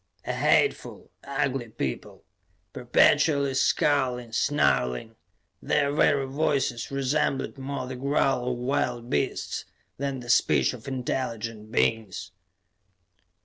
A hateful, ugly people, perpetually scowling, snarling; their very voices resembled more the growl of wild beasts than the speech of intelligent beings.